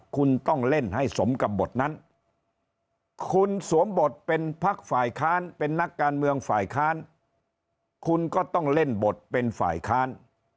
คุณต้องเล่นให้สมกับบทนั้นคุณสวมบทเป็นพักฝ่ายค้านเป็นนักการเมืองฝ่ายค้านคุณก็ต้องเล่นบทเป็นฝ่ายค้าน